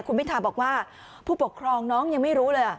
คุณพิทาบอกว่าผู้ปกครองน้องยังไม่รู้เลย